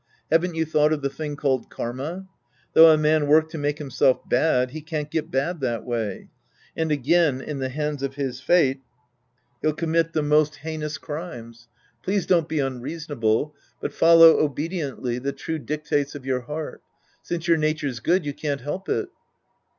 Haven't you thought of the thing called karma. Though a man work to make himself bad, he can't get bad that way. And again> in the hands of his fate, he'll commit the most 54 The Priest and His Disciples Act I heinous crimes. Please don't be unreasonable, but follow obediently the true dictates of your heart. Since your nature's good, you can't help it.